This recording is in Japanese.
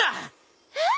えっ？